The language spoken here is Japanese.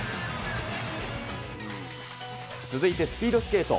続いてスピードスケート。